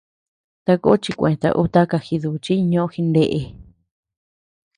Taka chikueta ú a taka jiduchiy ñoʼo jindeʼe.